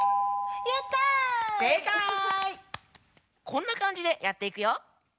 こんなかんじでやっていくよ。